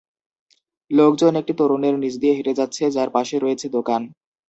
লোকজন একটি তোরণের নিচ দিয়ে হেঁটে যাচ্ছে, যার পাশে রয়েছে দোকান।